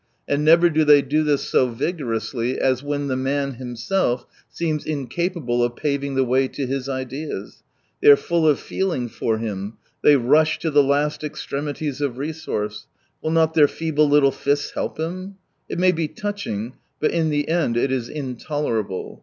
And never do they do this so vigorously as when the man himself seems incapable of paving the way to his ideas ! They are full of feeling for him; they rush to the last extremities of resource. Will not their feeble little fists help him ? It may be touching, but in the end it is intolerable.